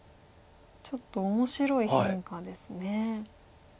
ちょっと面白い変化ですね。